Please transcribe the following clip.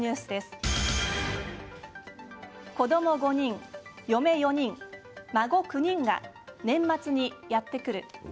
子ども５人、嫁４人孫９人が年末にやってくる。